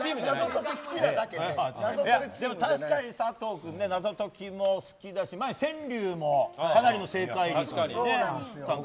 でも確かに佐藤君謎解きも好きだし前、川柳もかなりの正解率で。